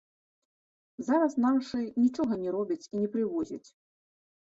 Зараз нашы нічога не робяць і не прывозяць.